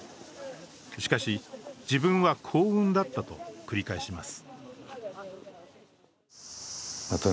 しかし、自分は幸運だったと繰り返します。